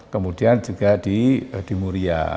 kemudian juga di muria